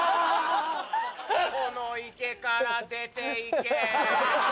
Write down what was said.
この池から出て行け。